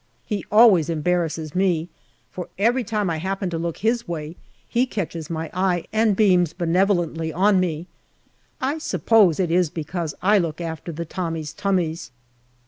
He always embarrasses me, for every time I happen to look his way he catches my eye and beams benevolently on me. I suppose it is because I look after the Tommies' tummies.